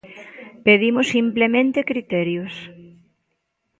Pedimos simplemente criterios.